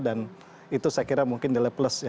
dan itu saya kira mungkin nilai plus ya